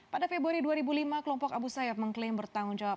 pada februari dua ribu lima kelompok abu sayyaf mengklaim bertanggung jawab